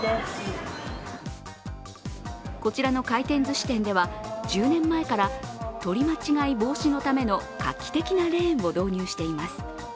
こちらの回転ずし店では１０年前から取り間違い防止のための画期的なレーンを導入しています。